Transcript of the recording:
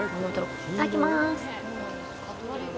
いただきまーす。